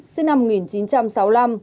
sinh năm một nghìn chín trăm sáu mươi năm